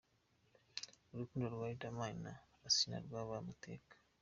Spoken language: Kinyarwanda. Urukundo rwa Riderman na Asinah rwabaye amateka.